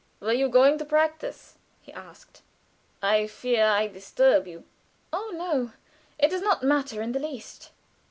"Were you going to practice?" he asked. "I fear I disturb you." "Oh, no! It does not matter in the least.